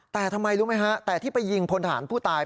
แต่ทำไมรู้ไหมฮะแต่ที่ไปยิงพลฐานผู้ตาย